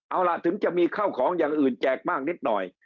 เอาล่ะถึงจะมีข้าวของอย่างอื่นแจกมากนิดหน่อย